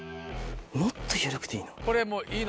もっと緩くていい。